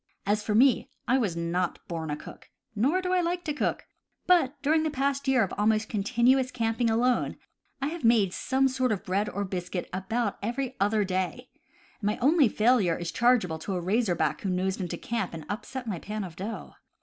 As for me, I was not born a cook, nor do I like to cook; but during the past year of almost continuous camping alone, I have made some sort of bread or biscuit about every other day, and my only failure is chargeable to a razorback who nosed into camp and upset my pan of dough.